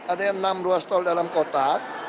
ada yang enam ruas tol dalam kota